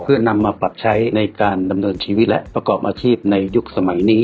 เพื่อนำมาปรับใช้ในการดำเนินชีวิตและประกอบอาชีพในยุคสมัยนี้